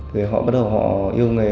thì họ bắt đầu họ yêu nghề